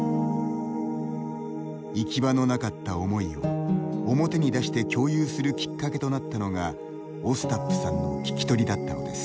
行き場のなかった思いを表に出して共有するきっかけとなったのがオスタップさんの聞きとりだったのです。